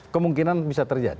kemungkinan bisa terjadi